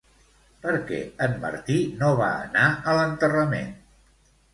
Per què en Martí no va anar a l'enterrament?